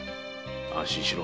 安心しろ。